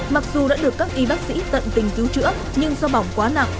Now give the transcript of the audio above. mặc dù đã được các y bác sĩ tận tình cứu trữa nhưng do bỏng quá nặng